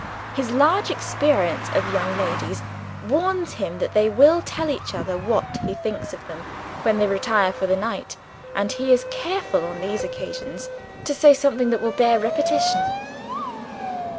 His large experience of young ladies warns him that they will tell each other what he thinks of them, when they retire for the night; and he is careful on these occasions to say something that will bear repetition.